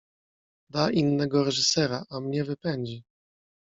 Da innego reżysera, a mnie wypędzi.